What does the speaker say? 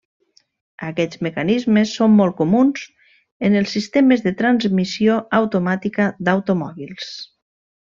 Aquests mecanismes són molt comuns en els sistemes de transmissió automàtica d'automòbils.